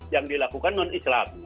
yang dilakukan non islam